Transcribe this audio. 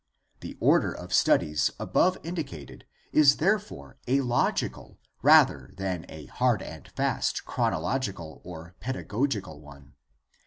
The order of studies above indicated is therefore a logical rather than a hard and fast chronological or peda gogical one.